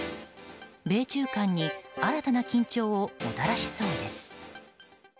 米中間に新たな緊張をもたらしそうです。